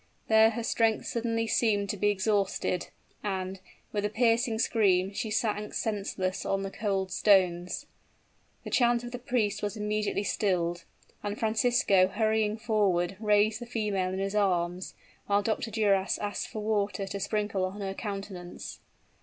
There her strength suddenly seemed to be exhausted; and, with a piercing scream, she sank senseless on the cold stones. The chant of the priest was immediately stilled; and Francisco hurrying forward, raised the female in his arms, while Dr. Duras asked for water to sprinkle on her countenance.